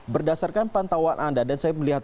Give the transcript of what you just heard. berdasarkan pantauan anda dan saya melihat